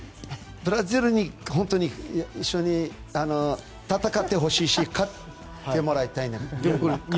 ブラジルに一緒に戦ってほしいし勝ってもらいたいです。